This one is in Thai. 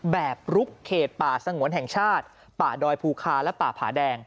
แบบลุกเขตป่าสงวนแห่งชาติป่าดอยภูคาและป่าผาแดง